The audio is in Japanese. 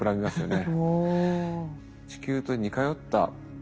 お。